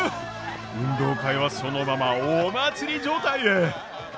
運動会はそのままお祭り状態へ。